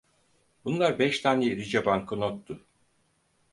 Bunlar beş tane irice banknottu.